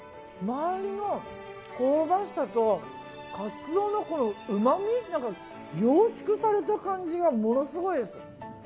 周りの香ばしさとカツオのうまみ何か凝縮された感じがものすごいです。